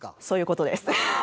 そういう事です。